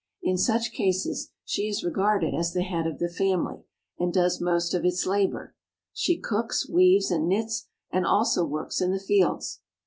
In such cases she is regarded as the head of the family, and does most of its labor. She cooks, weaves, and knits, and also works in the fields.